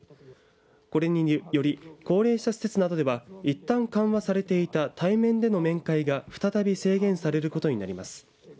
これにより、高齢者施設などではいったん緩和されていた対面での面会が再び制限されることになります。